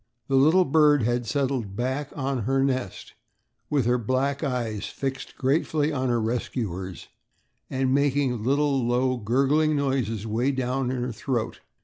The little bird had settled back on her nest with her black eyes fixed gratefully on her rescuers and making little, low, gurgling noises way down in her throat.